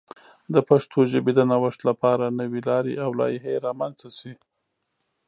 د پښتو ژبې د نوښت لپاره نوې لارې او لایحې رامنځته شي.